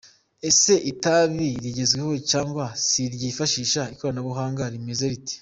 Ese itabi rigezweho cyangwa se ryifashisha ikoranabuhanga rimeze rite?.